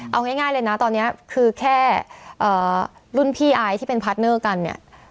เอาง่ายเลยนะตอนนี้คือแค่รุ่นพี่อายที่เป็นพาร์ทเนอร์กันเนี่ย